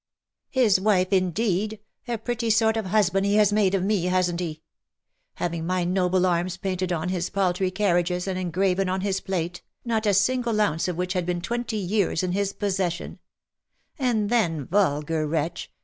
i( His wife, indeed! A pretty sort of husband he has made me, hasn't he ? Having my noble arms painted on his paltry carriages, and engraven on his plate, not a single ounce of which had been, twenty years in his possession; and then, vulgar wretch!